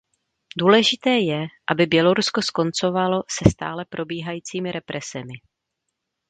Důležité je, aby Bělorusko skoncovalo se stále probíhajícími represemi.